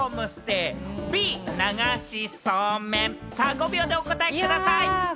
５秒でお答えください。